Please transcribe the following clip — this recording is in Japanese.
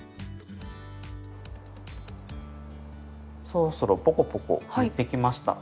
そろそろポコポコいってきました。